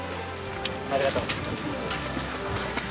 ありがとう。